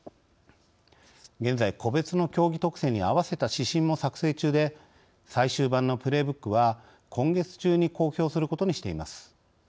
現在、個別の競技特性にあわせた指針も作成中で最終版のプレーブックは今月中に公表することにしています。